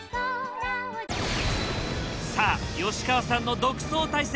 さあ吉川さんの独走態勢。